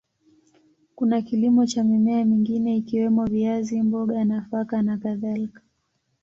Kuna kilimo cha mimea mingine ikiwemo viazi, mboga, nafaka na kadhalika.